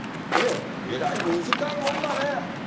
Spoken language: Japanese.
えらい短いもんだね。